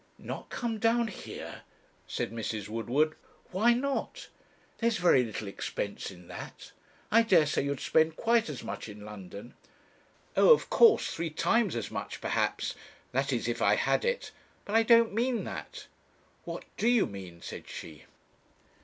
'Not come down here!' said Mrs. Woodward. 'Why not? There's very little expense in that. I dare say you'd spend quite as much in London.' 'Oh of course three times as much, perhaps; that is, if I had it but I don't mean that.' 'What do you mean?' said she.